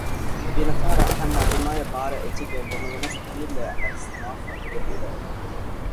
ގިނަ ފަހަރަށް އަހަންނާ ދިމާއަށް ބާރަށް އެއްޗެކޭ ބުނެވުނަސް އަމިއްލައަށް އައިސް މާފަށް އެދި ރޯނެ